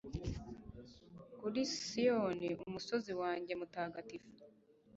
kuri siyoni, umusozi wanjye mutagatifu